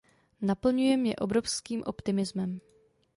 Naplňuje mě obrovským optimismem.